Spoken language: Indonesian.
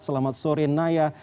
selamat sore naya